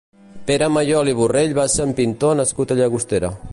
Pere Mayol i Borrell va ser un pintor nascut a Llagostera.